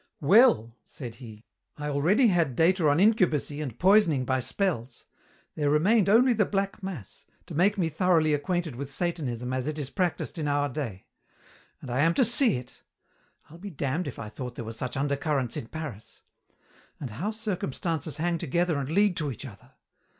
"Well," said he, "I already had data on incubacy and poisoning by spells. There remained only the Black Mass, to make me thoroughly acquainted with Satanism as it is practised in our day. And I am to see it! I'll be damned if I thought there were such undercurrents in Paris. And how circumstances hang together and lead to each other!